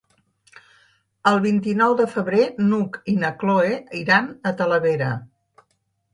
El vint-i-nou de febrer n'Hug i na Cloè iran a Talavera.